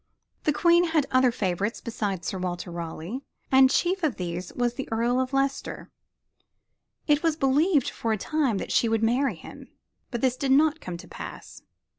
The Queen had other favorites beside Sir Walter Raleigh, and chief of these was the Earl of Leicester. It was believed for a time that she would marry him but this did not come to pass.